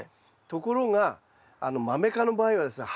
ところがマメ科の場合はですね